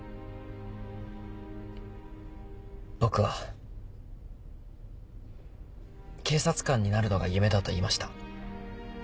僕は警察官になるのが夢だと言いました。